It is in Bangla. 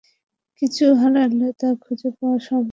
কিছু হারালে, তা খুঁজে পাওয়া সম্ভব।